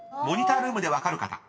［モニタールームで分かる方］